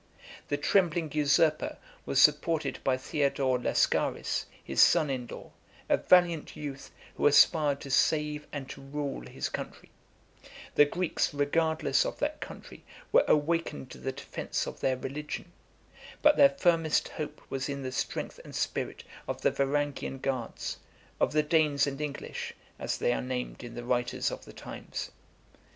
The trembling usurper was supported by Theodore Lascaris, his son in law, a valiant youth, who aspired to save and to rule his country; the Greeks, regardless of that country, were awakened to the defence of their religion; but their firmest hope was in the strength and spirit of the Varangian guards, of the Danes and English, as they are named in the writers of the times.